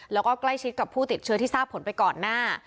แล้วก็ใกล้ชิดกับผู้ติดเชื้อที่ทราบผลไปก่อนหน้า